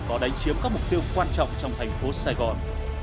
có đánh chiếm các mục tiêu quan trọng trong thành phố sài gòn